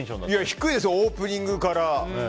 低いですよ、オープニングから。